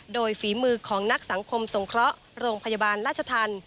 โดยฝีมือของนักสังคมสงเคราะห์โรงพยาบาลราชธรรม